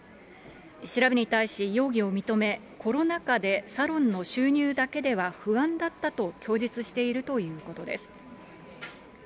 調べに対し、容疑を認め、コロナ禍でサロンの収入だけでは不安だったと供述しているということです。